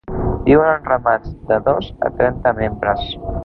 Viuen en ramats de dos a trenta membres.